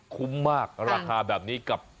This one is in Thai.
คุ้มมากราคาแบบนี้กับ